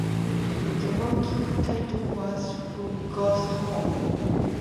The working title was Who Goes Home?